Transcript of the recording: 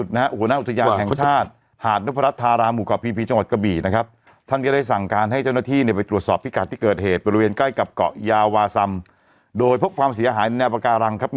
จึงได้มีการทำการบันทึกการตรวจสอบไว้นะครับ